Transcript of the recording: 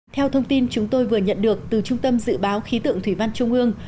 theo thông tin chúng tôi vừa nhận được từ trung tâm dự báo khí tượng thủy văn trung ương